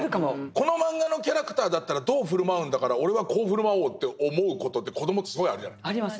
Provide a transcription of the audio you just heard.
このマンガのキャラクターだったらどう振る舞うんだから俺はこう振る舞おうと思う事って子どもってすごいあるじゃない。あります。